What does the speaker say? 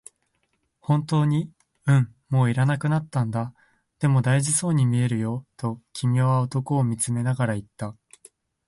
「本当に？」、「うん、もう要らなくなったんだ」、「でも、大事そうに見えるよ」と君は男を見つめながら言った。